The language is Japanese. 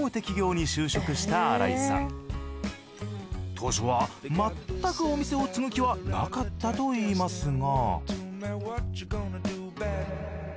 当初はまったくお店を継ぐ気はなかったといいますが。